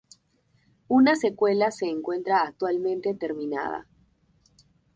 Una secuela se encuentra actualmente terminada.